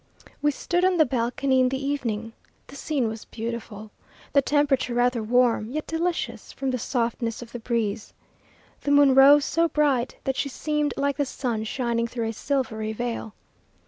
We stood on the balcony in the evening. The scene was beautiful, the temperature rather warm, yet delicious from the softness of the breeze. The moon rose so bright that she seemed like the sun shining through a silvery veil.